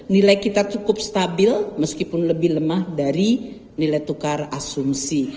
nilai kita cukup stabil meskipun lebih lemah dari nilai tukar asumsi